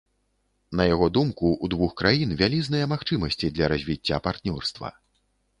На яго думку, у двух краін вялізныя магчымасці для развіцця партнёрства.